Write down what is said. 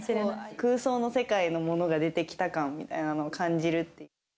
空想の世界のものが出てきた感みたいなのを感じるって。